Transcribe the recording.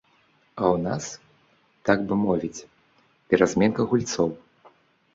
А ў нас, так бы мовіць, перазменка гульцоў.